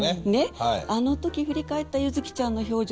あのとき振り返ったゆづきちゃんの表情